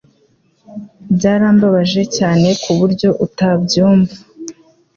Byarambabaje cyane kuburyo utabyumva